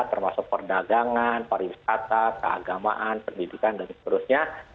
termasuk perdagangan pariwisata keagamaan pendidikan dan seterusnya